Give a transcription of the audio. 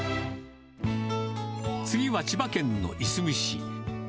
次は千葉県のいすみ市。